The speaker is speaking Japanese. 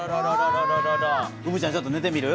うぶちゃんちょっとねてみる？